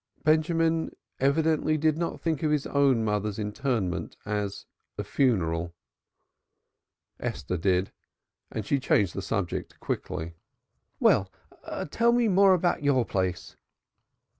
Benjamin evidently did not think of his own mother's interment as a funeral. Esther did and she changed the subject quickly. "Well, tell me more about your place."